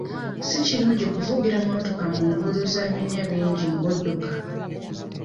Si kirungi kuvugira mmotoka mu nguudo za binnya bingi ng'odduka.